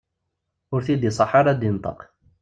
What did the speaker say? Ur t-id-iṣaḥ ara ad d-inṭeq.